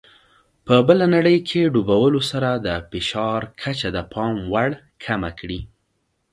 په بله نړۍ کې ډوبولو سره د فشار کچه د پام وړ کمه کړي.